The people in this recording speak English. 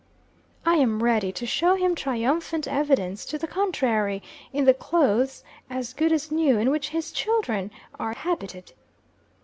I am ready to show him triumphant evidence to the contrary, in the clothes, as good as new, in which his children are habited.